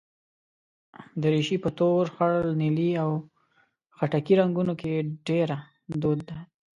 دریشي په تور، خړ، نیلي او خټکي رنګونو کې ډېره دود ده.